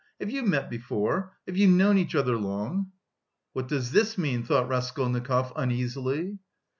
Have you met before? Have you known each other long?" "What does this mean?" thought Raskolnikov uneasily.